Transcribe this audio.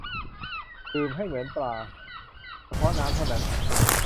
ดื่มให้เหมือนปลา เฉพาะน้ำเท่านั้น